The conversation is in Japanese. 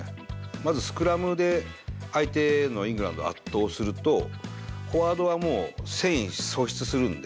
まずスクラムで相手のイングランドを圧倒すると、フォワードはもう戦意喪失するんで。